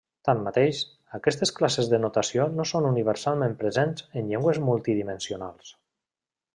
Tanmateix, aquestes classes de notació no són universalment presents en llengües multidimensionals.